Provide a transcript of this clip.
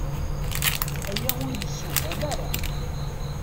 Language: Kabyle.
Aya ur yessewham ara.